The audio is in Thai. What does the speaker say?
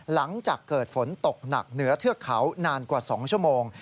หลังจากเกิดฝนตกหนักเหนือเทือกเขานานกว่า๒ชั่วโมง